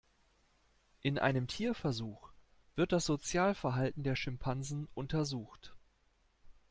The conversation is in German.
In einem Tierversuch wird das Sozialverhalten der Schimpansen untersucht.